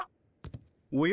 おや？